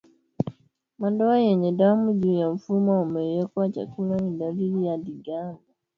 Madoa yenye damu juu ya mfumo wa mmengenyo wa chakula ni dalili ya ndigana